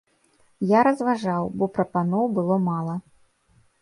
Я разважаў, бо прапаноў было мала.